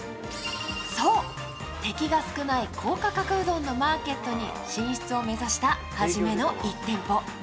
そう、敵が少ない高価格うどんのマーケットに進出を目指したはじめの一店舗。